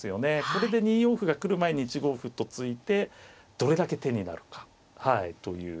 これで２四歩が来る前に１五歩と突いてどれだけ手になるかという。